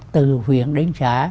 từ huyện đến xã